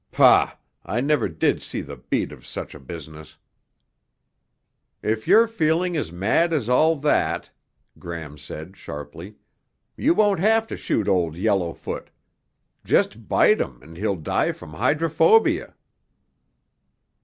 Pah! I never did see the beat of such a business!" "If you're feeling as mad as all that," Gram said sharply, "you won't have to shoot Old Yellowfoot. Just bite him and he'll die from hydrophobia."